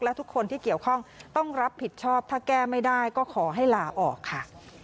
และทุกคนที่เกี่ยวข้องต้องรับผิดชอบถ้าแก้ไม่ได้ก็ขอให้ลาออกค่ะ